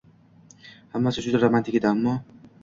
Hammasi juda romantik edi, ammo...